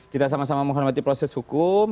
kita sama sama menghormati proses hukum